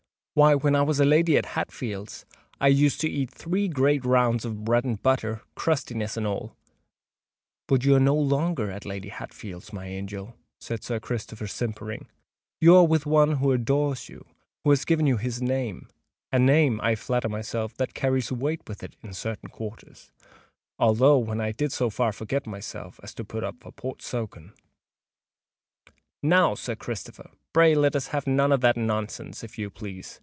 Why, when I was at Lady Hatfield's, I used to eat three great rounds of bread and butter, crustinesses and all." "But you are no longer at Lady Hatfield's, my angel," said Sir Christopher, simpering; "you are with one who adores you—who has given you his name—a name, I flatter myself, that carries weight with it, in certain quarters; although, when I did so far forget myself as to put up for Portsoken——" "Now, Sir Christopher, pray let us have none of that nonsense, if you please!"